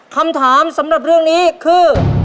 คำถามสำหรับเรื่องนี้คือ